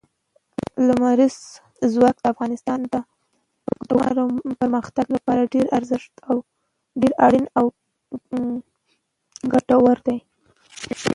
لمریز ځواک د افغانستان د دوامداره پرمختګ لپاره ډېر اړین او ګټور دی.